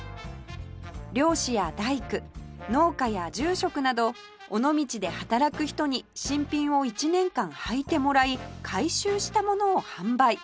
漁師や大工農家や住職など尾道で働く人に新品を１年間はいてもらい回収したものを販売